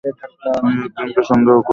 আমি একজনকে সন্দেহ করি।